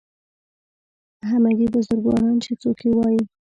همګي بزرګواران چې څوک یې وایي